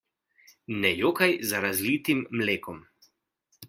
Ne jokaj za razlitim mlekom.